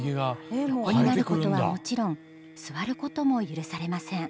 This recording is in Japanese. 横になることはもちろん座ることも許されません。